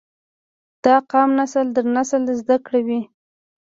دا قام نسل در نسل زده کړي وي